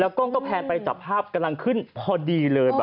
กล้องก็แพนไปจับภาพกำลังขึ้นพอดีเลย